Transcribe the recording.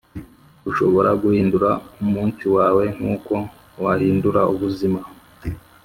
ushobora guhindura umunsi wawe nkuko wahindura ubuzima